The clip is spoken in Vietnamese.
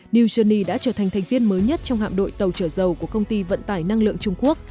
new journey đã trở thành thành viên mới nhất trong hạm đội tàu chở dầu của công ty vận tải năng lượng trung quốc